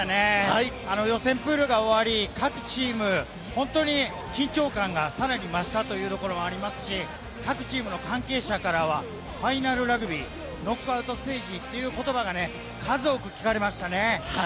予選プールが終わり、各チーム、本当に緊張感がさらに増したというところもありますし、各チームの関係者からはファイナルラグビー、ノックアウトステージという言葉が数多く聞かれましたね。